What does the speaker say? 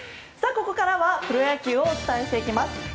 ここからはプロ野球をお伝えしていきます。